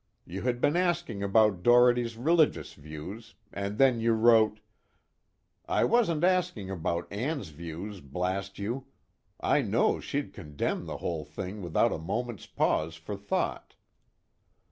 You had been asking about Doherty's religious views, and then you wrote: 'I wasn't asking about Ann's views, blast you I know she'd condemn the whole thing without a moment's pause for thought.'